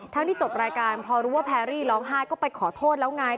ที่จบรายการพอรู้ว่าแพรรี่ร้องไห้ก็ไปขอโทษแล้วไง